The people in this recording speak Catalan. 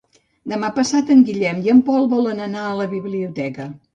Demà passat en Guillem i en Pol volen anar a la biblioteca.